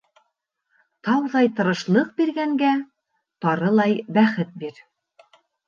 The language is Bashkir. Тауҙай тырышлыҡ биргәнгә тарылай бәхет бир.